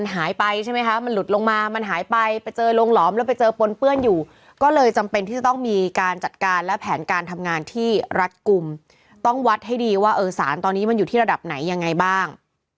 ให้ดีว่าสารตอนนี้มันอยู่ที่ระดับไหนยังไงบ้าง